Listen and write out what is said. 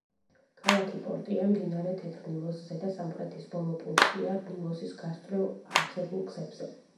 ქალაქი პორტია მდინარე თეთრ ნილოსზე და სამხრეთის ბოლო პუნქტია ნილოსის გასწვრივ არსებულ გზებზე.